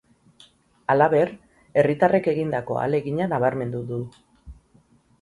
Halaber, herritarrek egindako ahalegina nabarmendu du.